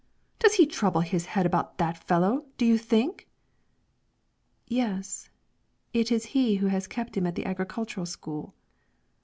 Does he trouble his head about that fellow, do you think?" "Yes; it is he who has kept him at the agricultural school."